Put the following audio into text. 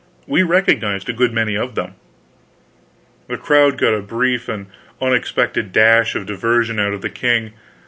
We recognized a good many of them. The crowd got a brief and unexpected dash of diversion out of the king.